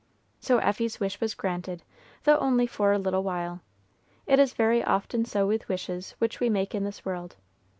So Effie's wish was granted, though only for a little while. It is very often so with wishes which we make in this world.